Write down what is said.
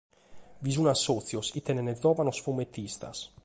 Bi sunt assòtzios chi tenet giòvanos fumetistas.